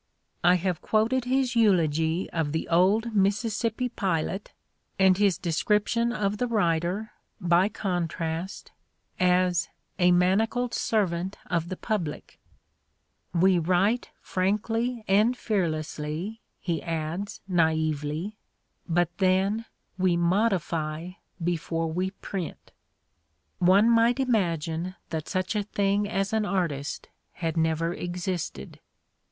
I havTB quoted his eulogy of the old Mississippi pilot and his description of the writer, by contrast, as "a man acled servant of the public": "we write frankly and 98 The Ordeal of Mark Twain fearlessly," he adds, naively, "but then we 'modify' before we print." One might imagine that such a thing as an artist had never existed.